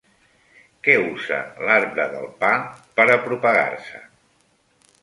Què usa l'arbre del pa per a propagar-se?